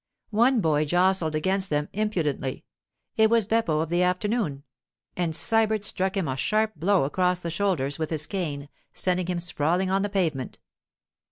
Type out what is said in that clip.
One boy jostled against them impudently—it was Beppo of the afternoon—and Sybert struck him a sharp blow across the shoulders with his cane, sending him sprawling on the pavement.